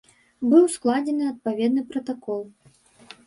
Быў складзены адпаведны пратакол.